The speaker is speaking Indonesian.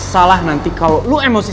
soalnya dia tuh paling emos ya